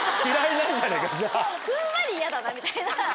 ふんわり嫌だなみたいな。